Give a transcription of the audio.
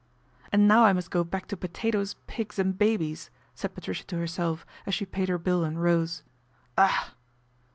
" And now I must go back to potatoes, pigs, and babies," said Patricia to herself as she paid her bill and rose. " Ugh